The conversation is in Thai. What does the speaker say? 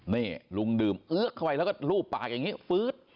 นี่ลุงดื่มเข้าไว้แล้วก็ลูบปากอย่างนี้ฟื้ด